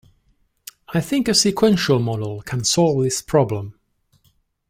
I think a sequential model can solve this problem.